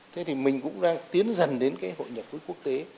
thế thì mình cũng đang tiến dần đến cái hội nhập với quốc tế